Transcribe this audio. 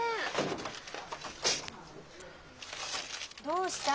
どうした？